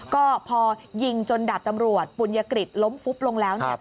ก็พอยิงจนดาบตำรวจปุญยกฤษล้มฟุบลงแล้ว